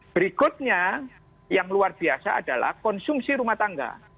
berikutnya yang luar biasa adalah konsumsi rumah tangga